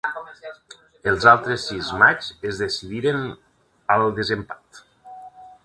Els altres sis matxs es decidiren al desempat.